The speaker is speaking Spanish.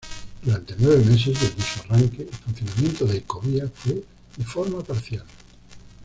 Durante nueve meses desde su arranque, el funcionamiento de Ecovía fue de forma parcial.